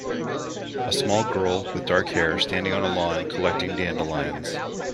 A small girl with dark hair standing on a lawn collecting dandelions.